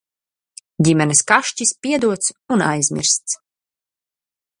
Ģimenes kašķis piedots un aizmirsts.